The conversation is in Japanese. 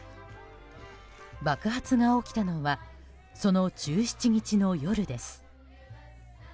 爆発が起きたのはその１７日の夜です。